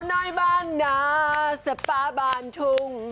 สาวน้อยบ้านหนาสัตว์ป่าบานทุ่ง